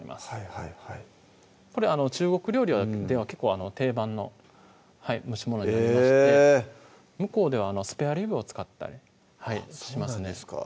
はいはいはい中国料理では結構定番の蒸し物になりまして向こうではスペアリブを使ったりしますね